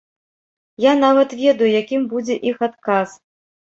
Я нават ведаю, якім будзе іх адказ.